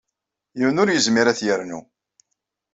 Yiwen ur yezmir ad t-yernu.